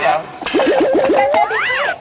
ราโก